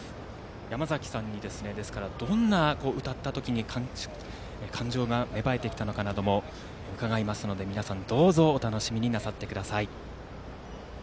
山崎さんには歌った時にどんな感情が芽生えてきたのかなども伺いますので、皆さん、どうぞお楽しみになさってください。